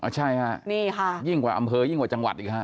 ใช่ค่ะนี่ค่ะยิ่งกว่าอำเภอยิ่งกว่าจังหวัดอีกฮะ